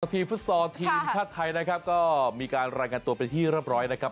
ทีมฟุตซอลทีมชาติไทยนะครับก็มีการรายงานตัวเป็นที่เรียบร้อยนะครับ